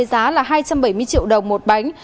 hai trăm bảy mươi triệu đồng một bánh